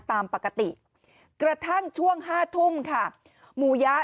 ตามปกติกระทั่งช่วงห้าทุ่มค่ะหมูยะ